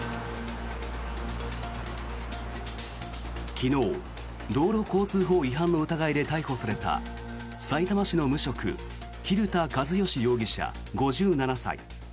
昨日、道路交通法違反の疑いで逮捕されたさいたま市の無職蛭田和良容疑者、５７歳。